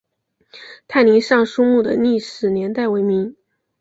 泰宁尚书墓的历史年代为明。